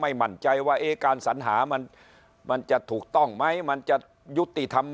มั่นใจว่าการสัญหามันมันจะถูกต้องไหมมันจะยุติธรรม